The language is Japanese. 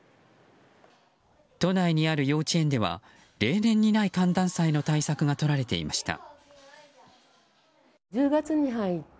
都内にある幼稚園では例年にない寒暖差への対策がとられていました。